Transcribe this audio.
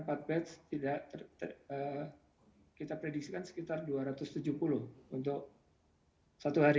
kalau empat batch katakan empat batch kita prediksikan sekitar dua ratus tujuh puluh untuk satu hari